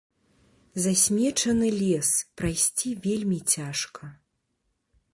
Засмечаны лес, прайсці вельмі цяжка.